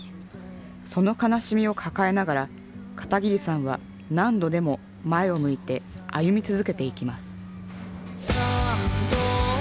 その悲しみを抱えながら片桐さんは何度でも前を向いて歩み続けていきます。